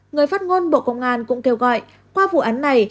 người phát ngôn bộ công an cũng kêu gọi qua vụ án này